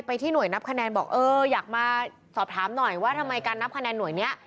ที่หน่วยนับคะแนนบอกเอออยากมาสอบถามหน่อยว่าทำไมการนับคะแนนหน่วยนี้